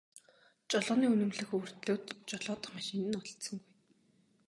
Жолооны үнэмлэх өвөртлөөд ч жолоодох машин нь олдсонгүй.